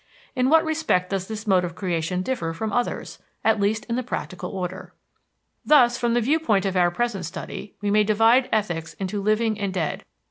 In what respect does this mode of creation differ from others, at least in the practical order? Thus, from the viewpoint of our present study, we may divide ethics into living and dead.